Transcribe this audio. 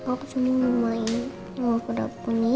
aku sendiri mau main kuda poni